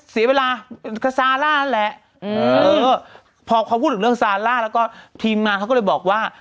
เสียเวลาก็ซาร่านั่นแหละอืมเออพอเขาพูดถึงเรื่องซาร่าแล้วก็ทีมงานเขาก็เลยบอกว่า